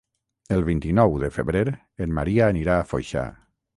El vint-i-nou de febrer en Maria anirà a Foixà.